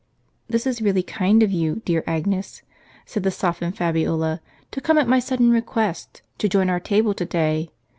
" This is really kind of you, dear Agnes," said the softened Fabiola, "to come at my sudden request, to join our table to day.